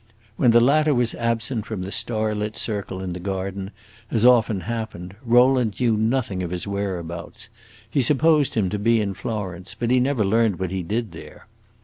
When the latter was absent from the star lit circle in the garden, as often happened, Rowland knew nothing of his whereabouts; he supposed him to be in Florence, but he never learned what he did there.